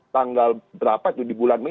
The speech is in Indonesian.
tanggal berapa itu di bulan mei